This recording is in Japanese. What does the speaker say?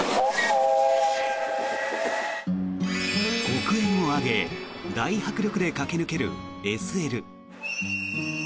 黒煙を上げ大迫力で駆け抜けるＳＬ。